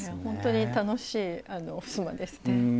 本当に楽しい襖ですね。